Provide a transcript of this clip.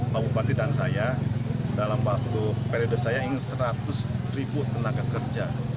pak bupati dan saya dalam waktu periode saya ingin seratus ribu tenaga kerja